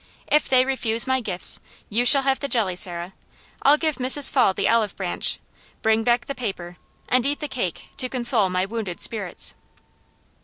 If they refuse my gifts, you shall have the jelly, Sarah; I'll give Mrs. Fall the olive branch, bring back the paper, and eat the cake to console my wounded spirits."